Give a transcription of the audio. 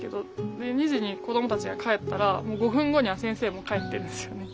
で２時に子どもたちが帰ったらもう５分後には先生も帰ってるんですよね。